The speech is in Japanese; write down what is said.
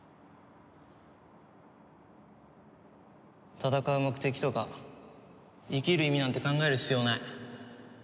戦う目的とか生きる意味なんて考える必要ない。